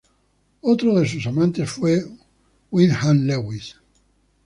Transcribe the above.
Otro de sus amantes fue Wyndham Lewis.